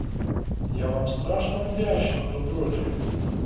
Я вам страшно вдячна, добродію!